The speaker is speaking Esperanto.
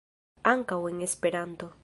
Ankaŭ en Esperanto.